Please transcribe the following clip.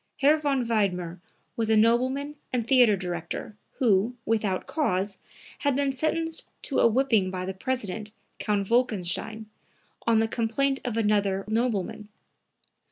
Herr von Wiedmer was a nobleman and theatre director, who, without cause, had been sentenced to a whipping by the president, Count Wolkenstein, on the complaint of another nobleman.